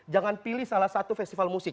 jangan pilih salah satu festival musik